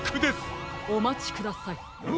おまちください。